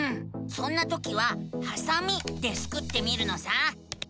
そんなときは「はさみ」でスクってみるのさ！